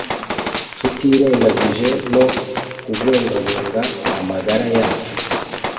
tutirengagije no kubungabunga amagara yacu.